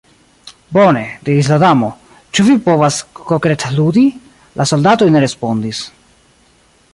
"Bone," diris la Damo.—"Ĉu vi povas kroketludi?" La soldatoj ne respondis.